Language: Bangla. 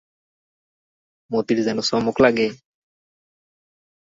মতির যেন চমক লাগে।